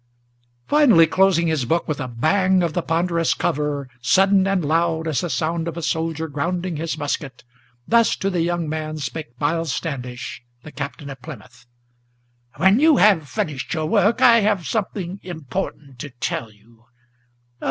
Finally closing his book, with a bang of the ponderous cover, Sudden and loud as the sound of a soldier grounding his musket, Thus to the young man spake Miles Standish the Captain of Plymouth: "When you have finished your work, I have something important to tell you.